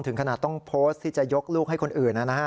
ถึงขนาดต้องโพสต์ที่จะยกลูกให้คนอื่นนะฮะ